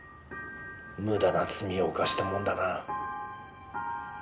無駄な罪を犯したもんだな。